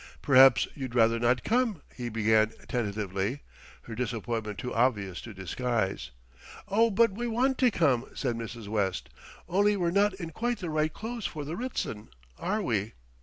"Perhaps you'd rather not come?" he began tentatively, his disappointment too obvious to disguise. "Oh, but we want to come!" said Mrs. West, "only we're not in quite the right clothes for the Ritzton, are we?"